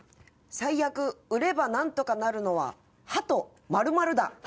最悪売れば何とかなるのは歯と○○だ。